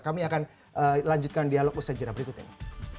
kami akan lanjutkan dialog bersajaran berikut ini